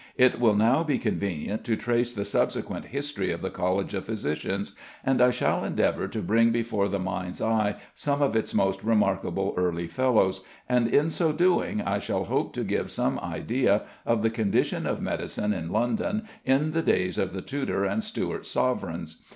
It will now be convenient to trace the subsequent history of the College of Physicians, and I shall endeavour to bring before the mind's eye some of its most remarkable early Fellows, and in so doing I shall hope to give some idea of the condition of medicine in London in the days of the Tudor and Stuart sovereigns.